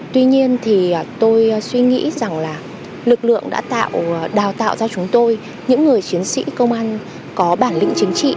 tuy nhiên thì tôi suy nghĩ rằng là lực lượng đã tạo đào tạo cho chúng tôi những người chiến sĩ công an có bản lĩnh chính trị